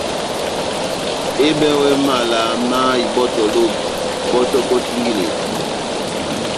Ehɨbɛwɛ mala má ibɔ́tɔ loki, bɔ́tɔkɔ singileti.